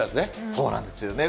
そうなんですよね。